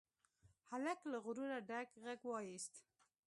هلک له غروره ډک غږ واېست.